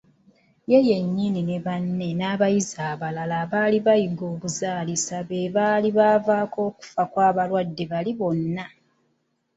Ye yennyini, banne, n’abayizi abaali bayiga obuzaalisa be baali bavaako okufa kw’abalwadde bali bonna.